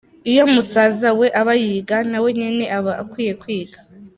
"Iyo musazawe aba yiga, nawe nyene aba akwiye kwiga.